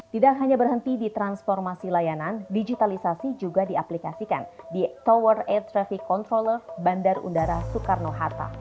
tidak hanya berhenti di transformasi layanan digitalisasi juga diaplikasikan di tower air traffic controller bandar udara soekarno hatta